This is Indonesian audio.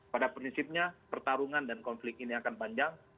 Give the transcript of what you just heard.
pada prinsipnya pertarungan dan konflik ini akan panjang